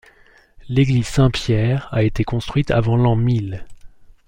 L'église Saint-Pierre a été construite avant l'an mille.